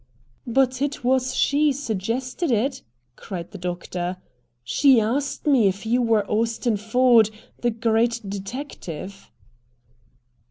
"But it was she suggested it," cried the doctor. "She asked me if you were Austin Ford, the great detective."